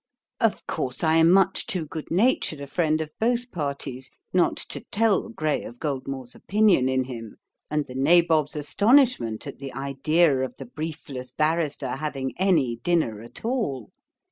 Of course I am much too good natured a friend of both parties not to tell Gray of Goldmore's opinion in him, and the nabob's astonishment at the of the briefless barrister having any dinner at all.